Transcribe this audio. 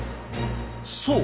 そう。